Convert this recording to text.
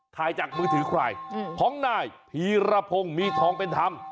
ถ่ายจากมือถือใครของนายพีรพงศ์มีทองเป็นธรรม